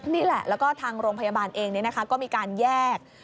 นี่แหละแล้วก็ทางโรงพยาบาลเองก็มีการแยก